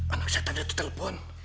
anak syatannya tuh telepon